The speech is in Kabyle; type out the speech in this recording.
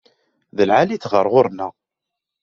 D lεali-t ɣer ɣur-neɣ.